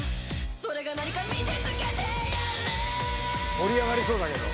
「盛り上がりそうだけど」